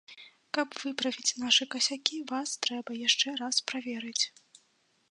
Каб выправіць нашы касякі, вас трэба яшчэ раз праверыць.